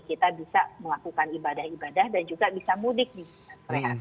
kita bisa melakukan ibadah ibadah dan juga bisa mudik nih